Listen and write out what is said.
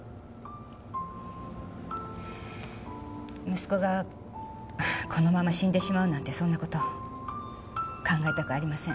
息子がこのまま死んでしまうなんてそんな事考えたくありません。